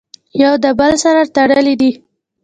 يو د بل سره تړلي دي!!.